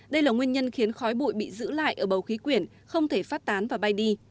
đây là nguyên nhân khiến khói bụi bị giữ lại ở bầu khí quyển không thể phát tán và bay đi